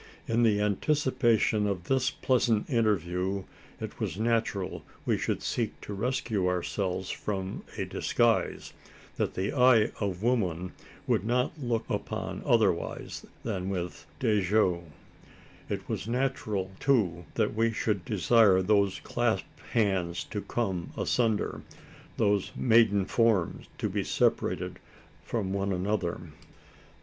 In the anticipation of this pleasant interview, it was natural we should seek to rescue ourselves from a disguise, that the eye of woman could not look upon otherwise than with degout. It was natural, too, we should desire those clasped hands to come asunder those maiden forms to be separated from one another?